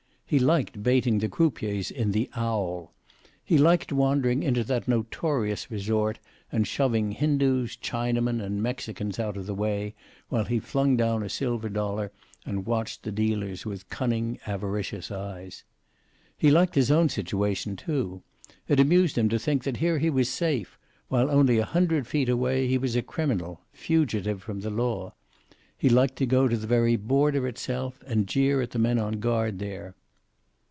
He liked baiting the croupiers in the "Owl." He liked wandering into that notorious resort and shoving Hindus, Chinamen, and Mexicans out of the way, while he flung down a silver dollar and watched the dealers with cunning, avaricious eyes. He liked his own situation, too. It amused him to think that here he was safe, while only a hundred feet away he was a criminal, fugitive from the law. He liked to go to the very border itself, and jeer at the men on guard there.